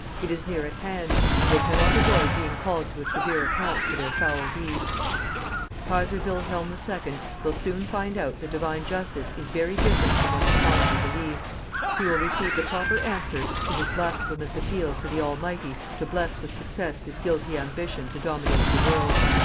It is near at hand, and they cannot avoid being called to a severe account for their foul deeds. Kaiser Wilhelm II will soon find out that Divine Justice is very different from what he fondly believed. He will receive the proper answer to his blasphemous appeals to the Almighty to bless with success his guilty ambition to dominate the world.